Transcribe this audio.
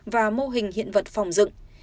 và mô hình hiện vật phòng dựng